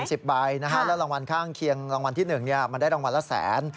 ๑๐ใบนะฮะแล้วรางวัลข้างเคียงรางวัลที่๑มันได้รางวัลละแสน